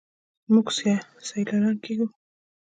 موږ سیالان کیږو.